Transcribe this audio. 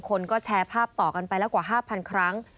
คนก็แชร์ภาพต่อกันไปแล้วกว่า๕๐๐๐ครั้ง